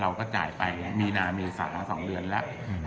เราก็จ่ายไปมีนาเมษาสองเรือนแล้วอืม